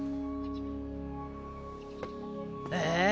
ええ？